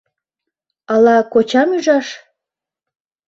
— Ала кочам ӱжаш?